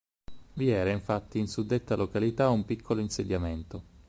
Vi era infatti in suddetta località un piccolo insediamento.